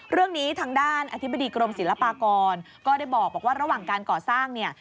เรื่องนี้ทางด้านอธิบดีกรมศิลปากรก็ได้บอกว่าระหว่างการก่อสร้างเนี่ย